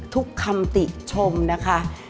ทุกคำติชมนะคะ